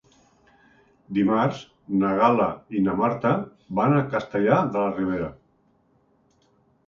Dimarts na Gal·la i na Marta van a Castellar de la Ribera.